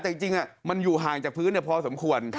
แต่จริงมันอยู่ห่างจากพื้นพอสมควร